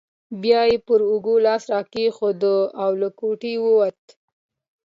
بیا یې پر اوږه لاس راکښېښود او له کوټې ووت.